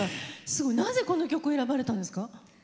すごい、なぜこの曲を選ばれたんですか？